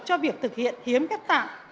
cho việc thực hiện hiến khép tạng